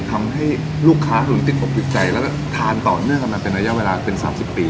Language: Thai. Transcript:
ทำให้ลูกค้าถึงติดอกติดใจแล้วก็ทานต่อเนื่องกันมาเป็นระยะเวลาเป็น๓๐ปี